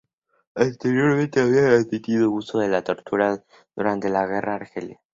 Anteriormente había admitido el uso de la tortura durante la Guerra de Argelia.